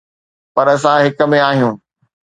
پر اسان هڪ ۾ آهيون.